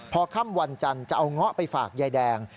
พอค่ำวันจันทร์จะเอาเงาะไปฝากยายแดง